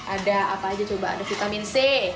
ada apa aja coba ada vitamin c